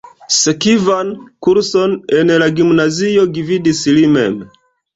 Sekvan kurson en la gimnazio gvidis li mem.